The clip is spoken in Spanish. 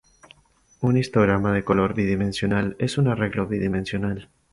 Un histograma de color bidimensional es un arreglo bidimensional.